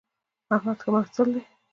احمد ښه محصل دی